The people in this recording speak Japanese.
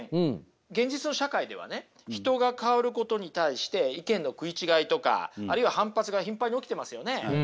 現実の社会ではね人が変わることに対して意見の食い違いとかあるいは反発が頻繁に起きていますよね。